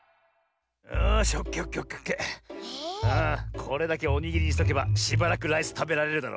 これだけおにぎりにしとけばしばらくライスたべられるだろ。